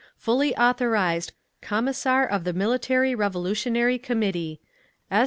Fully authorised Commissar of the Military Revolutionary Committee, S.